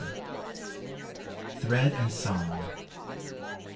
THREAD AND SONG.